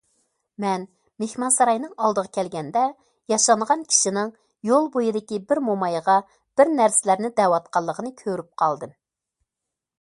مەن مېھمانساراينىڭ ئالدىغا كەلگەندە، ياشانغان كىشىنىڭ يول بويىدىكى بىر مومايغا بىرنەرسىلەرنى دەۋاتقانلىقىنى كۆرۈپ قالدىم.